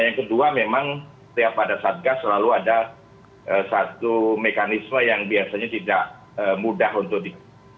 yang kedua memang setiap pada satgas selalu ada satu mekanisme yang biasanya tidak mudah untuk di